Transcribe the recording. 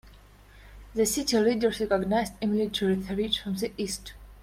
The city leaders recognized a military threat from the east.